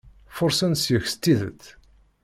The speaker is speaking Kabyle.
Furṣen seg-k s tidet.